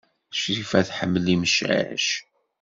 Crifa tḥemmel imcac?